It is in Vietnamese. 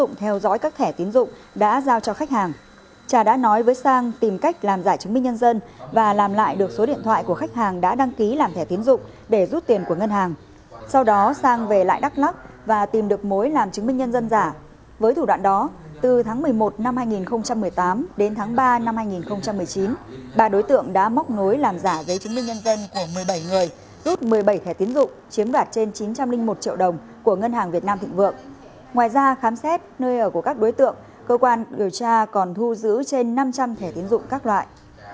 ngoài ra khám xét nơi ở của các đối tượng cơ quan điều tra còn thu giữ trên năm trăm linh thẻ tiến dụng các loại